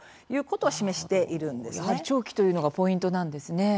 やはり、長期というのがポイントなんですね。